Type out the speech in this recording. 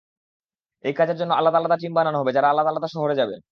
এই কাজের জন্য আলাদা আলাদা টিম বানানো হবে, যারা আলাদা আলাদা শহরে যাবে।